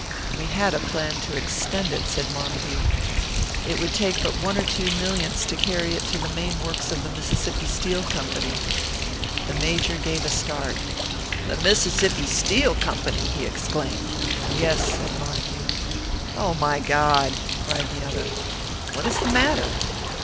"We had a plan to extend it," said Montague. "It would take but one or two millions to carry it to the main works of the Mississippi Steel Company." The Major gave a start. "The Mississippi Steel Company!" he exclaimed. "Yes," said Montague. "Oh, my God!" cried the other. "What is the matter?"